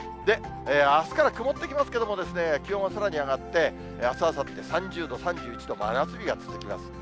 あすから曇ってきますけれども、気温はさらに上がって、あす、あさって３０度、３１度、真夏日が続きます。